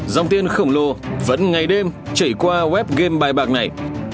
dòng tiền khổng lồ vẫn ngày đêm chảy qua web game bài bạc này